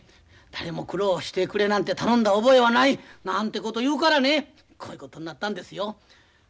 「誰も苦労をしてくれなんて頼んだ覚えはない」なんてこと言うからねこういうことになったんですよ。